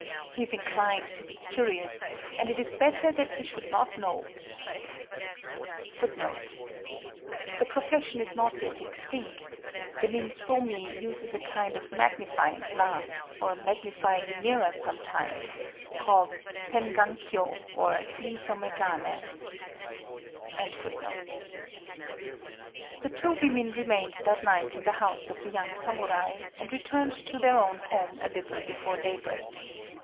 He is inclined to be curious; and it is better that he should not know." The profession is not yet extinct. The ninsomi uses a kind of magnifying glass (or magnifying mirror sometimes), called tengankyō or ninsomégané. The two women remained that night in the house of the young samurai, and returned to their own home a little before daybreak.